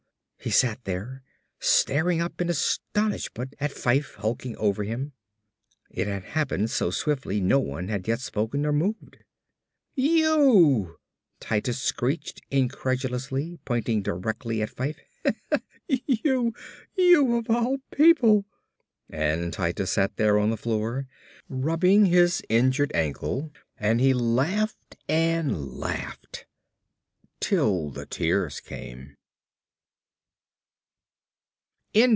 He sat there staring up in astonishment at Fyfe, hulking over him. It had happened so swiftly no one had yet spoken or moved. "YOU!" Titus screeched incredulously, pointing directly at Fyfe. "You of all people!" And Titus sat there on the floor rubbing his injured ankle and he laughed and laughed till the tears came.